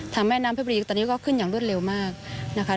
แม่น้ำเพชรบุรีตอนนี้ก็ขึ้นอย่างรวดเร็วมากนะคะ